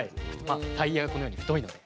タイヤがこのように太いので。